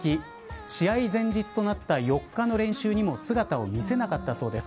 試合前日となった４日の練習にも姿を見せなかったそうです。